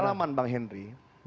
sandi punya pengalaman bang henry